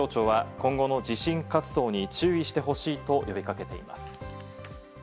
気象庁は今後の地震活動に注意してほしいと呼びかけています。